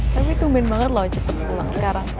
tapi tumben banget loh cepet pulang sekarang